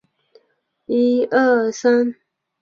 分配帐的目的主要是显示该公司如何分发盈利。